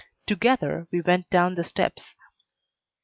Together we went down the steps.